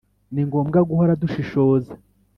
ni ngombwa guhora dushishoza